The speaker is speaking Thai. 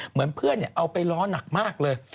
เหมือนเพื่อนเอาไปล้อหนักมากเลย